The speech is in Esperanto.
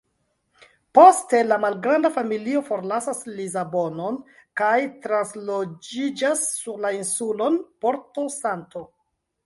Poste la malgranda familio forlasas Lisabonon kaj transloĝiĝas sur la insulon Porto-Santo.